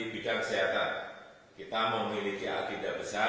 di bidang kesehatan kita memiliki agenda besar